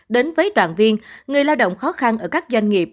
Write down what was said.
đến với đoàn viên người lao động khó khăn ở các doanh nghiệp